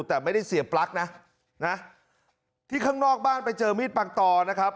แต่ไม่ได้เสียปลั๊กนะนะที่ข้างนอกบ้านไปเจอมีดปังตอนะครับ